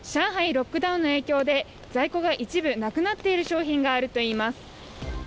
ロックダウンの影響で在庫が一部なくなっている商品があるといいます。